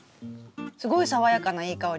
すごい爽やかないい香りが。